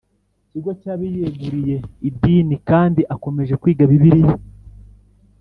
kigo cy abiyeguriye idini kandi akomeje kwiga Bibiliya